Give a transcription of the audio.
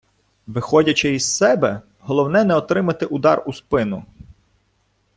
Виходячи із себе, головне не отримати удар у спину.